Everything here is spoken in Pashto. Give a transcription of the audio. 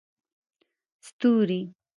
ستوري